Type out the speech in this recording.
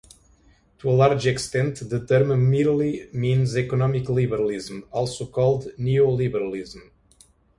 To a large extent the term merely means economic liberalism, also called neoliberalism.